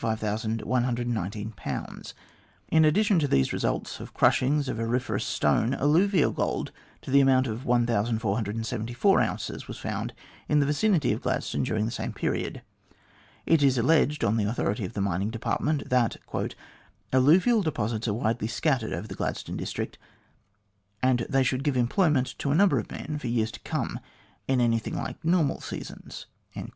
In addition to these results of crushings of auriferous stone, alluvial gold to the amount of 1474 ounces was found in the vicinity of Gladstone during the same period. It is alleged, on the authority of the Mining Department, that "alluvial deposits are widely scattered over the Gladstone district, and they should give employment to a number of men for years to come in anything like normal seasons."